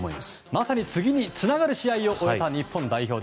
まさに次につながる試合を終えた日本代表。